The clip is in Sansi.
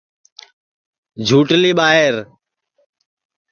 جھوٹؔلی بانو